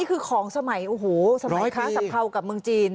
คือของสมัยค้าสะพาวกับเมืองจีน